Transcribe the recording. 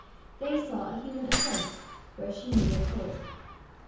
They saw a human offence where she knew a poet.